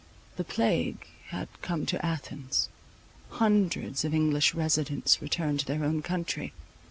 The plague had come to Athens. Hundreds of English residents returned to their own country.